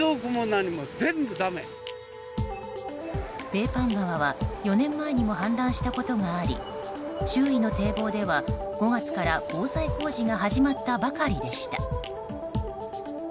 ペーパン川は４年前にも氾濫したことがあり周囲の堤防では、５月から防災工事が始まったばかりでした。